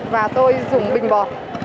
và tôi dùng bình bò